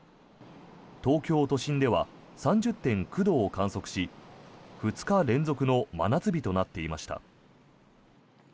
東京都心では３０．９度を観測し２日連続の真夏日となっていました。